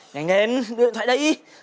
nhanh lên đưa điện thoại đây